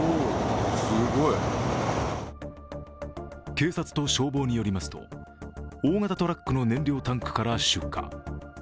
警察と消防によりますと、大型トラックの燃料タンクから出火。